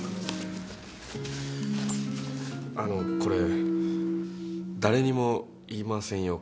あのこれ誰にも言いませんよ